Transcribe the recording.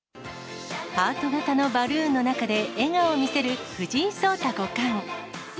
ハート形のバルーンの中で笑顔を見せる藤井聡太五冠。